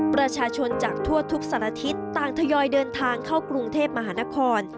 ประชาชนจากทั่วทุกสารทิศต่างทยอยเดินทางเข้ากรุงเทพมหานคร